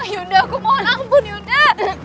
yunda aku mohon ampun yunda